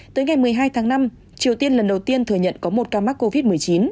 tới ngày một mươi hai tháng năm triều tiên lần đầu tiên thừa nhận có một ca mắc covid một mươi chín